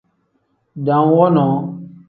Dam wonoo.